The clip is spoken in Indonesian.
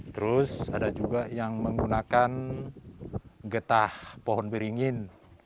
terus ada juga yang menggunakan getah pohon beringin